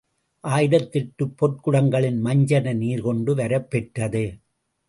ஆயிரத்தெட்டுப் பொற்குடங்களின் மஞ்சன நீர் கொண்டுவரப் பெற்றது.